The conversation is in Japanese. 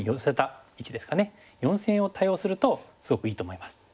４線を多用するとすごくいいと思います。